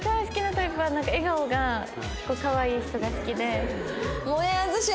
好きなタイプは笑顔がかわいい人が好きで。もえあず